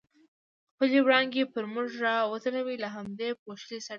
خپلې وړانګې پر موږ را وځلولې، له همدې پوښلي سړک څخه.